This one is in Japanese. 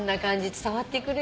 伝わってくるよ。